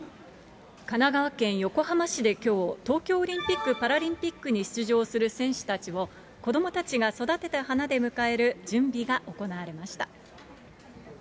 神奈川県横浜市できょう、東京オリンピック・パラリンピックに出場する選手たちを、子どもたちが育てた花で迎える準備が行われました。